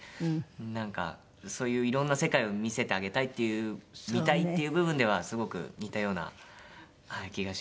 なんかそういういろんな世界を見せてあげたいっていう見たいっていう部分ではすごく似たような気がしますね。